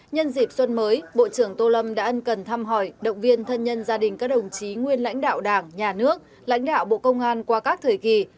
nhân dịp xuân mới bộ trưởng tô lâm đã ân cần thăm hỏi động viên thân nhân gia đình các đồng chí nguyên lãnh đạo đảng nhà nước lãnh đạo bộ công an qua các thời kỳ